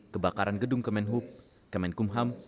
kebakaran gedung kemenhub kemenkumham